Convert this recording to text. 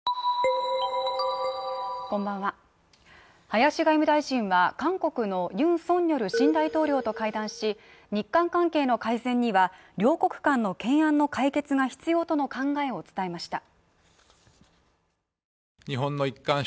林外務大臣は韓国のユン・ソンニョル新大統領と会談し日韓関係の改善には両国間の懸案の解決が必要との考えを伝えました。